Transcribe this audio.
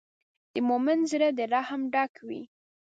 د مؤمن زړۀ د رحم ډک وي.